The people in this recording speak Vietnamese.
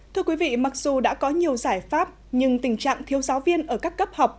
thưa quý vị mặc dù đã có nhiều giải pháp nhưng tình trạng thiếu giáo viên ở các cấp học